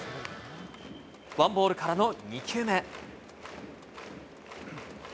１ボールからの２球目。